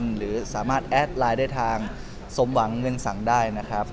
หรือสามารถแอดไลน์ได้ทางสมหวังเงินสั่งได้นะครับ